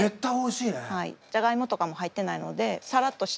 ジャガイモとかも入ってないのでサラッとした。